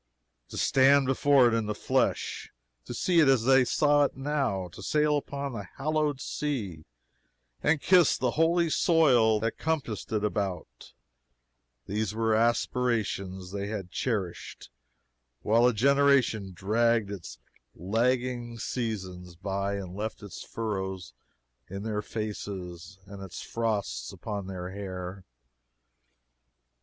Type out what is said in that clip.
To stand before it in the flesh to see it as they saw it now to sail upon the hallowed sea, and kiss the holy soil that compassed it about: these were aspirations they had cherished while a generation dragged its lagging seasons by and left its furrows in their faces and its frosts upon their hair.